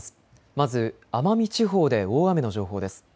まず奄美地方で大雨の情報です。